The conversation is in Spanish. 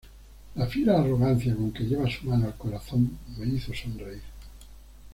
la fiera arrogancia con que llevó su mano al corazón, me hizo sonreír